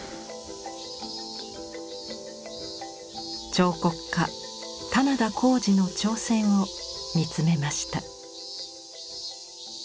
彫刻家・棚田康司の挑戦を見つめました。